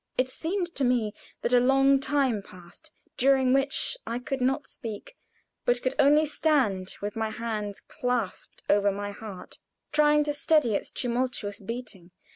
It seemed to me that a long time passed, during which I could not speak, but could only stand with my hands clasped over my heart, trying to steady its tumultuous beating.